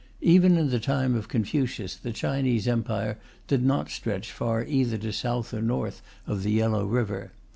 Even in the time of Confucius, the Chinese Empire did not stretch far either to south or north of the Yellow River.